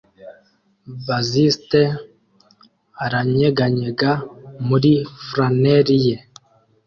Bassiste aranyeganyega muri flannels ye